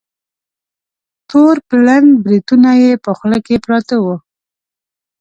تور پلن بریتونه یې په خوله کې پراته وه.